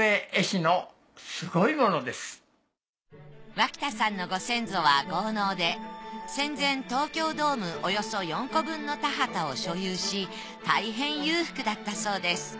脇田さんのご先祖は豪農で戦前東京ドームおよそ４個分の田畑を所有し大変裕福だったそうです。